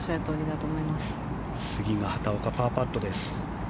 次が畑岡、パーパットです。